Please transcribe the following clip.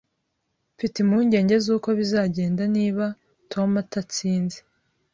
Mfite impungenge zuko bizagenda niba Tom atatsinze